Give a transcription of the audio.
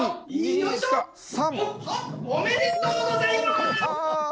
おめでとうございます！